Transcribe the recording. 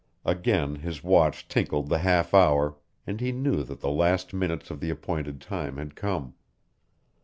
Again his watch tinkled the half hour, and he knew that the last minutes of the appointed time had come.